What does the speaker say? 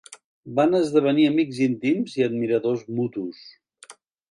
Van esdevenir amics íntims i admiradors mutus.